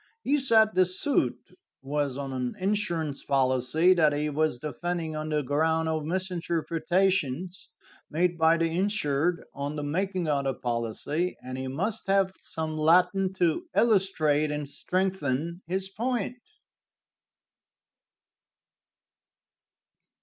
He said the suit was on an insurance policy; that he was defending on the ground of misrepresentations made by the insured on the making of the policy, and he must have some Latin to illustrate and strengthen his point.